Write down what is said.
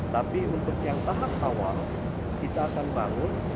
tapi untuk yang tahap awal kita akan bangun